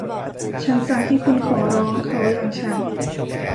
ฉันสั่งให้คุณขอร้องเขาอย่างฉัน